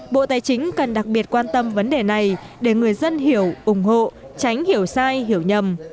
bộ tài chính cần đặc biệt quan tâm vấn đề này để người dân hiểu ủng hộ tránh hiểu sai hiểu nhầm